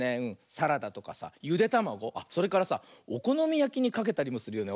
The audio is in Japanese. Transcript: サラダとかさゆでたまごあっそれからさおこのみやきにかけたりもするよね。